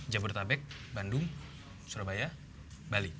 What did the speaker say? jabodetabek bandung surabaya bali